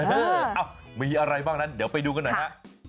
เออมีอะไรบ้างนั้นเดี๋ยวไปดูกันหน่อยฮะ